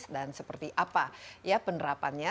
dan seperti apa penerapannya